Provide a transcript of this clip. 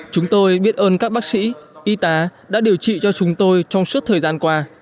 chúng tôi biết ơn các bác sĩ y tá đã điều trị cho chúng tôi trong suốt thời gian qua